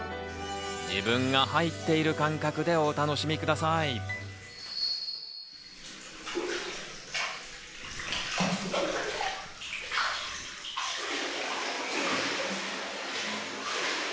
自分が入っている感覚でお楽しみください。